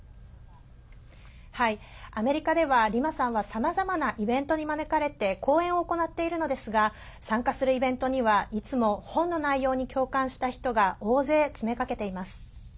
アメリカではリマさんはさまざまなイベントに招かれて講演を行っているのですが参加するイベントには、いつも本の内容に共感した人が大勢、詰めかけています。